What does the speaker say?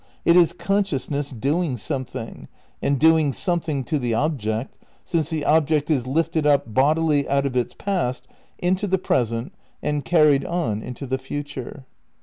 It is consciousness doing something, 232 THE NEW IDEALISM vi and doing something to the object, since the object is lifted up bodily out of its past into the present and car ried on into the future.